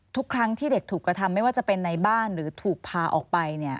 ทุกครั้งที่เด็กถูกกระทำไม่ว่าจะเป็นในบ้านหรือถูกพาออกไป